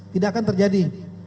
tidak akan terjadi